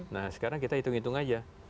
nah sekarang kita hitung hitung aja